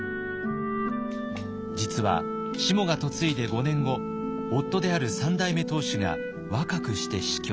実はしもが嫁いで５年後夫である三代目当主が若くして死去。